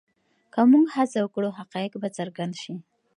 که موږ هڅه وکړو حقایق به څرګند شي.